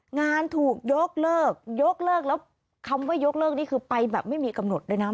งานถูกยกเลิกยกเลิกแล้วคำว่ายกเลิกนี่คือไปแบบไม่มีกำหนดด้วยนะ